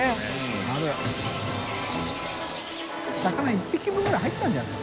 一匹分ぐらい入っちゃうんじゃないの？